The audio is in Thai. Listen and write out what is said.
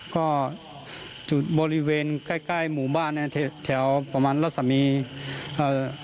ก็จุดบริเวณใกล้หมู่บ้านเนี่ยแถวประมาณละสามีเอ่อ